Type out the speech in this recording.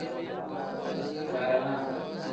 Barana.